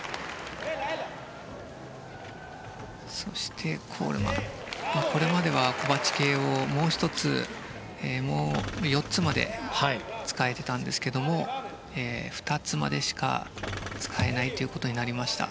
鉄棒ではこれまではコバチ系をもう４つまで使えていたんですが２つまでしか使えないということになりました。